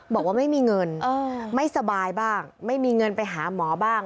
บอกว่าไม่มีเงินไม่สบายบ้างไม่มีเงินไปหาหมอบ้าง